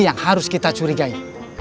yang harus kita curigai